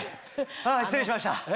失礼しました。